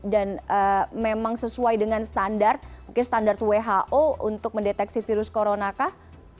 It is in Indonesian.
dan memang sesuai dengan standar mungkin standar who untuk mendeteksi virus corona kah